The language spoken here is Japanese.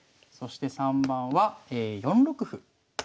そして３番は４六歩。